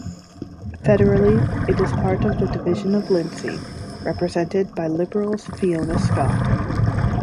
Federally, it is part of the Division of Lindsay, represented by Liberal's Fiona Scott.